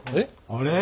あれ？